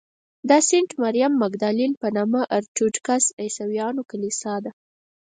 دا د سینټ مریم مګدالین په نامه د ارټوډکس عیسویانو کلیسا ده.